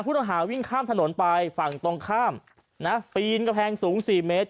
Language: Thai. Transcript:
ต้องหาวิ่งข้ามถนนไปฝั่งตรงข้ามนะปีนกำแพงสูง๔เมตร